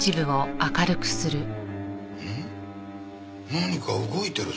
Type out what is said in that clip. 何か動いてるぞ。